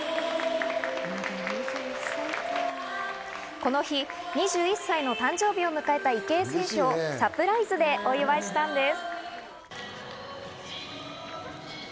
この日、２１歳の誕生日を迎えた池江選手をサプライズでお祝いしたのです。